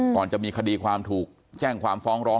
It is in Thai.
ก่อนจะมีคดีความถูกแจ้งความฟ้องร้อง